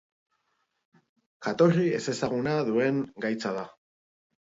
Jatorri ezezaguna duen gaitza da.